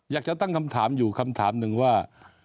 อยากจะตั้งคำถามอยู่คำถามหนึ่งว่า